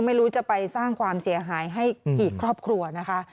ไม่รู้จะไปสร้างความเสียหายให้กี่ครอบครัวนะคะ